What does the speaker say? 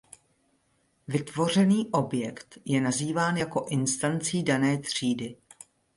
Vytvořený objekt je nazýván jako instancí dané třídy.